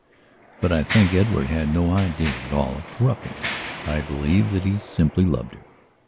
But I think Edward had no idea at all of corrupting her. I believe that he simply loved her.